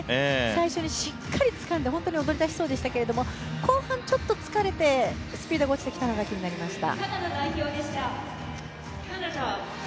最初にしっかりつかんで本当に踊り出しそうでしたけど後半、ちょっと疲れてスピードが落ちてきたのが気になりました。